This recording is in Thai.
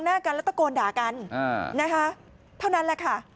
แล้วตะโกนด่ากันนะฮะเท่านั้นแหละค่ะ